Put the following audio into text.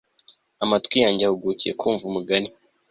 amatwi yanjye ahugukiye kumva umugani